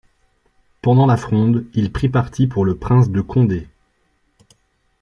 Pendant la Fronde, il prit parti pour le prince de Condé.